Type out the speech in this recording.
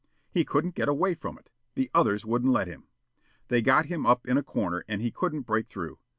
He couldn't get away from it. The others wouldn't let him. They got him up in a corner and he couldn't break through.